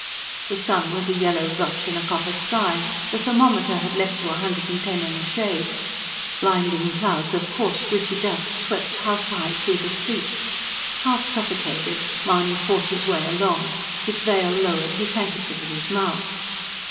The sun was a yellow blotch in a copper sky; the thermometer had leapt to a hundred and ten in the shade. Blinding clouds of coarse, gritty dust swept house high through the streets: half suffocated, Mahony fought his way along, his veil lowered, his handkerchief at his mouth.